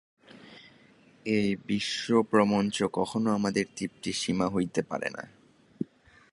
এই বিশ্বপ্রপঞ্চ কখনও আমাদের তৃপ্তির সীমা হইতে পারে না।